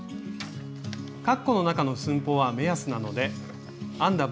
カッコの中の寸法は目安なので編んだ